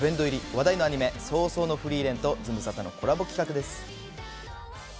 話題のアニメ、葬送のフリーレンとズムサタのコラボ企画です。